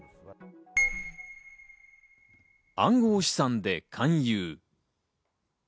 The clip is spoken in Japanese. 暗号資産で勧誘。